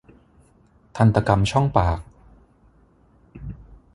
ทันตกรรมช่องปาก